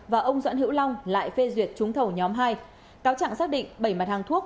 và ông doãn hữu long lại phê duyệt trúng thầu nhóm hai cáo trạng xác định bảy mặt hàng thuốc